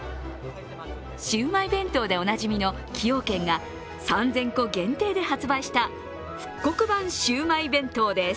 シウマイ弁当でおなじみの崎陽軒が３０００個限定で発売した復刻版シウマイ弁当です。